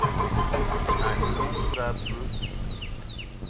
Ane onga be.